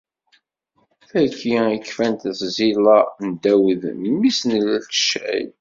Dagi i kfant tẓilla n Dawed, mmi-s n Icay.